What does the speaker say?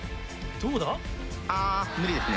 どうだ？